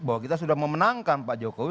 bahwa kita sudah memenangkan pak jokowi